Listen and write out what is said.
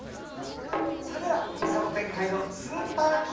それではサボテンかいのスーパー